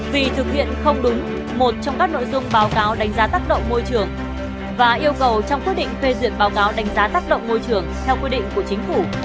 vì thực hiện không đúng một trong các nội dung báo cáo đánh giá tác động môi trường và yêu cầu trong quyết định phê duyệt báo cáo đánh giá tác động môi trường theo quy định của chính phủ